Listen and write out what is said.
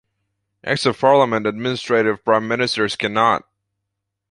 Acts of Parliament, administrative prime-ministers cannot.